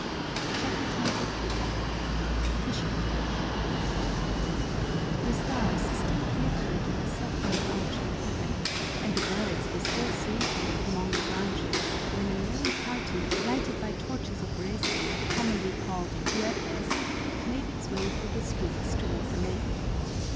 CHAPTER XXIII Fishing The stars still glittered in the sapphire arch of heaven and the birds were still sleeping among the branches when a merry party, lighted by torches of resin, commonly called huepes, made its way through the streets toward the lake.